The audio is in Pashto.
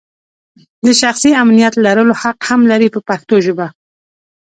د شخصي امنیت لرلو حق هم لري په پښتو ژبه.